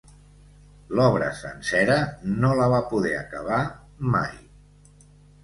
L'obra sencera no la va poder acabar mai.